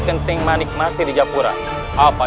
terima kasih gisana